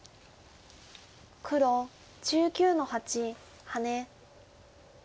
黒１９の八ハネ。